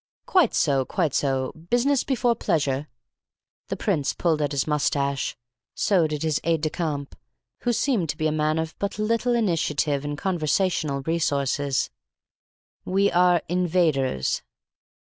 "Quite so, quite so. Business before pleasure." The prince pulled at his moustache. So did his aide de camp, who seemed to be a man of but little initiative and conversational resource. "We are invaders."